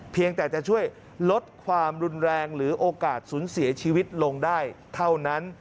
เพียงแต่จะช่วยลดความรุนแรงหรือโอกาสสูญเสียชีวิตลงได้เท่านั้น